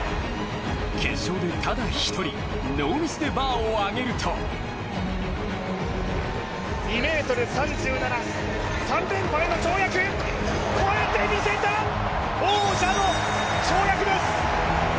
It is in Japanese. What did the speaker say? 決勝でただ１人ノーミスでバーを上げると２ｍ３７、３連覇への跳躍、越えてみせた、王者の跳躍です！